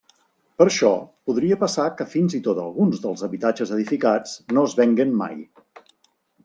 Per això, podria passar que fins i tot alguns dels habitatges edificats no es venguen mai.